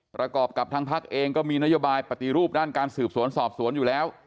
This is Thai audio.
ประกอบกับทางพักเองก็มีนโยบายปฏิรูปด้านการสืบสวนสอบสวนอยู่แล้ว